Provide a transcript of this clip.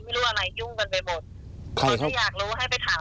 ก็อยากให้คุณพี่ออกมาชื่อแจ้ง